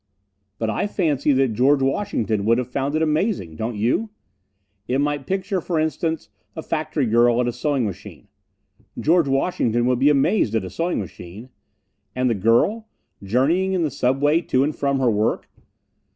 But I fancy that George Washington would have found it amazing. Don't you? It might picture, for instance, a factory girl at a sewing machine. George Washington would be amazed at a sewing machine. And the girl, journeying in the subway to and from her work!